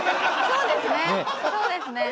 そうですね。